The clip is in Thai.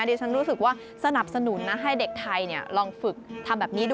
ดิฉันรู้สึกว่าสนับสนุนนะให้เด็กไทยลองฝึกทำแบบนี้ดู